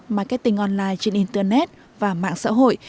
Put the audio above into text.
marketing online trên internet và mạng xã hội